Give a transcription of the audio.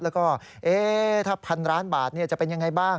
แล้วก็เอ๊ถ้า๑๐๐๐ล้านบาทเนี่ยจะเป็นยังไงบ้าง